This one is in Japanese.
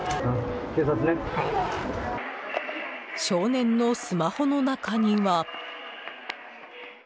少年のスマホの中には。